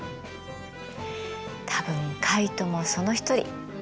多分カイトもその一人。